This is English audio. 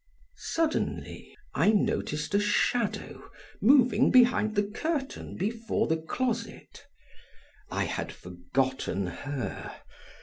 Suddenly I noticed a shadow moving behind the curtain before the closet. I had forgotten her.